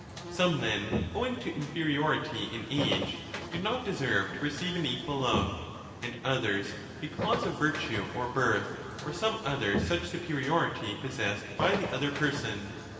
Some then, owing to inferiority in age, do not deserve to receive an equal love, and others because of virtue or birth or some other such superiority possessed by 10 the other person.